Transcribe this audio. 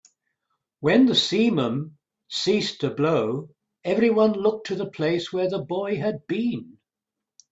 When the simum ceased to blow, everyone looked to the place where the boy had been.